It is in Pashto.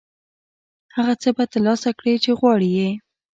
هغه څه به ترلاسه کړې چې غواړې یې.